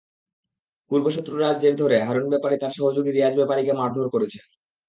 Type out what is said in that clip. পূর্বশত্রুতার জের ধরে হারুন ব্যাপারী তাঁর সহযোগী রিয়াজ ব্যাপারীকে মারধর করেছেন।